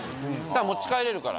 持ち帰れるから。